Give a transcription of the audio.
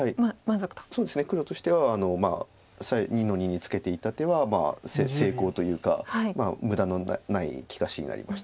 黒としては２の二にツケていった手は成功というか無駄のない利かしになりました。